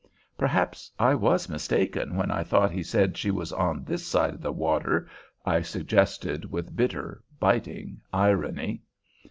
"Perhaps I was mistaken when I thought he said she was on this side of the water," I suggested, with bitter, biting irony.